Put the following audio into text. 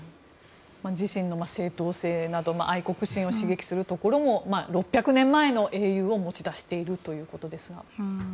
自身の正当性など愛国心を刺激するところも６００年前の英雄を持ち出しているということですが。